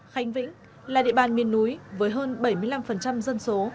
khánh vĩnh là địa bàn miền núi với hơn bảy mươi năm dân số